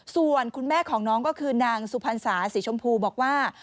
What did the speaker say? ส่วนคุณแม่ของน้องก็คือนางสุพรรษาสีชมพูบอกว่า